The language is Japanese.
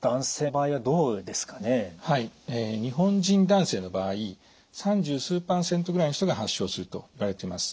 日本人男性の場合三十数％ぐらいの人が発症するといわれています。